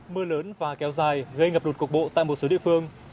mưa lớn và kéo dài gây ngập lụt cục bộ tại một số địa phương